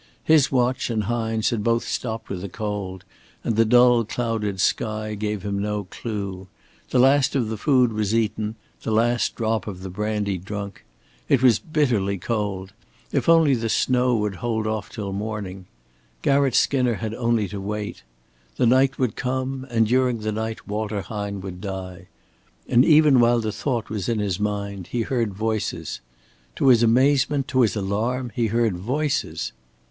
His watch and Hine's had both stopped with the cold, and the dull, clouded sky gave him no clue. The last of the food was eaten, the last drop of the brandy drunk. It was bitterly cold. If only the snow would hold off till morning! Garratt Skinner had only to wait. The night would come and during the night Walter Hine would die. And even while the thought was in his mind, he heard voices. To his amazement, to his alarm, he heard voices!